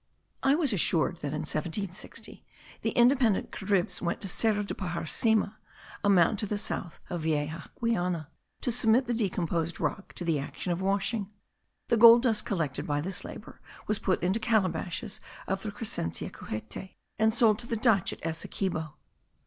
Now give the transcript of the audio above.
I was assured that in 1760, the independent Caribs went to Cerro de Pajarcima, a mountain to the south of Vieja Guayana, to submit the decomposed rock to the action of washing. The gold dust collected by this labour was put into calabashes of the Crescentia cujete and sold to the Dutch at Essequibo.